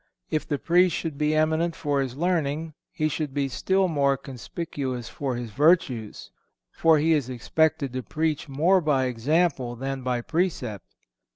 If the Priest should be eminent for his learning, he should be still more conspicuous for his virtues, for he is expected to preach more by example than by precept.